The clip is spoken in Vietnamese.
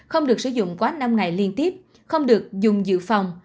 không được sử dụng quá năm ngày liên tiếp không được dùng dự phòng